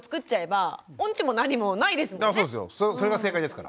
それが正解ですから。